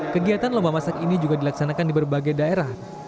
kegiatan lomba masak ini juga dilaksanakan di berbagai daerah